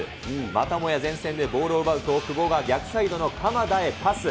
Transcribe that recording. またもや前線でボールを奪うと、久保が逆サイドの鎌田へパス。